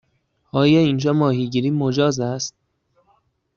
آیا اینجا ماهیگیری مجاز است؟